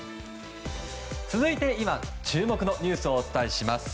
続いて、今注目のニュースをお伝えします。